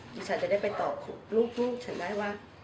ดีจันต์จะได้ไปต่อลูกฉันได้หรือเปล่า